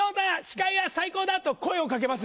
司会屋最高だ！」と声を掛けます。